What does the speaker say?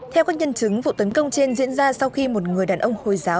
theo các nhân chứng vụ tấn công trên diễn ra sau khi một người đàn ông hồi giáo